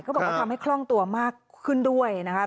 บอกว่าทำให้คล่องตัวมากขึ้นด้วยนะคะ